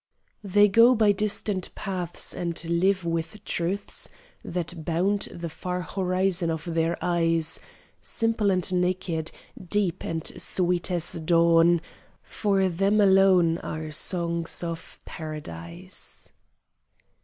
They go by distant paths and live with truths That bound the far horizon of their eyes, Simple and naked, deep, and sweet as dawn; For them alone are songs of paradise.